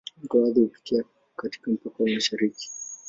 Mto Athi hupitia katika mpaka wa mashariki.